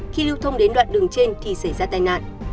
khi lưu thông đến đoạn đường trên thì xảy ra tai nạn